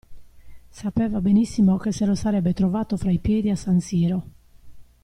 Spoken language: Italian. Sapeva benissimo che se lo sarebbe trovato fra i piedi a San Siro.